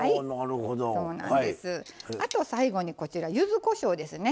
あと最後にこちらゆずこしょうですね。